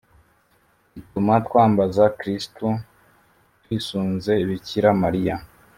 ituma twambaza kristu twisunze bikira mariya